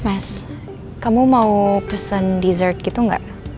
mas kamu mau pesen dessert gitu nggak